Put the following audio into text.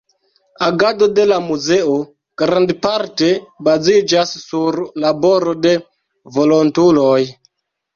Agado de la muzeo grandparte baziĝas sur laboro de volontuloj.